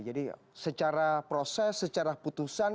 jadi secara proses secara putusan